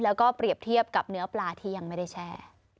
แล้วก็เปรียบเทียบกับเนื้อปลาที่ยังไม่ได้แช่